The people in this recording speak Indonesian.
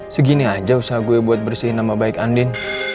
segini aja usaha gue buat bersihin nama baik andin